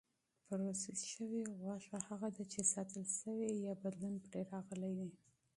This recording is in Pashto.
پروسس شوې غوښه هغه ده چې ساتل شوې یا بدلون پرې راغلی وي.